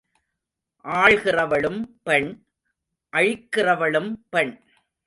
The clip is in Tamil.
ஆள்கிறவளும் பெண் அழிக்கிறவளும் பெண்.